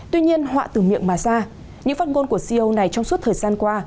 tuy nhiên họa từ miệng mà ra những phát ngôn của co này trong suốt thời gian qua